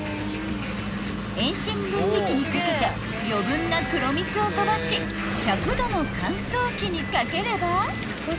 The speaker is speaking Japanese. ［遠心分離機にかけて余分な黒蜜を飛ばし１００℃の乾燥機にかければ］